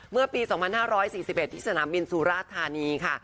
เมื่อปี๒๕๔๑ที่สนามบินสุราธานีค่ะ